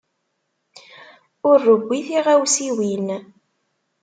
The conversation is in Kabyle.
Ur rewwi tiɣawsiwin.